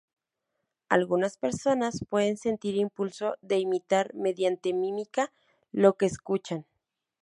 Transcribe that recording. Algunas personas pueden sentir impulso de imitar, mediante mímica, lo que escuchan.